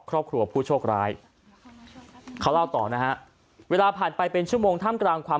ครอบครัวผู้โชคร้ายเขาเล่าต่อนะฮะเวลาผ่านไปเป็นชั่วโมงท่ามกลางความ